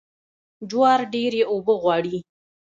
جوار ډیرې اوبه غواړي.